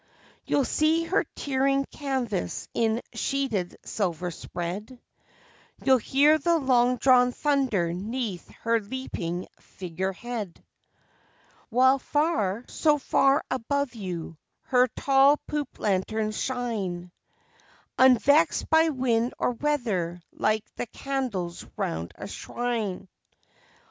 You'll see her tiering canvas in sheeted silver spread; You'll hear the long drawn thunder 'neath her leaping figure head; While far, so far above you, her tall poop lanterns shine Unvexed by wind or weather like the candles round a shrine.